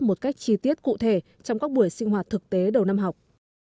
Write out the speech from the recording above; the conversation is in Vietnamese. một cách chi tiết cụ thể trong các buổi sinh hoạt thực tế đầu năm học